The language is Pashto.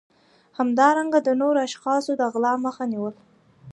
همدارنګه د نورو اشخاصو د غلا مخه نیول